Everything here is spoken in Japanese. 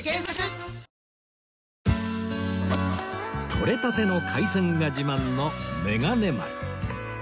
とれたての海鮮が自慢のめがね丸